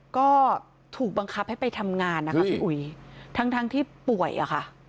ก็ถูกบังคับให้ไปทำงานนะคะพี่อุ๋ยทั้งทั้งที่ป่วยอะค่ะ